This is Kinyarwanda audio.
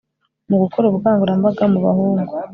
mu gukora ubukangurambaga mu bahungu